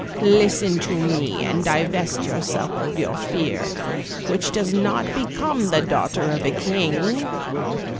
Listen to me, and divest yourself of your fear, which does not become the daughter of a king.